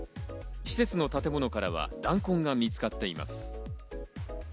施設の建物からは弾痕が見つかっています。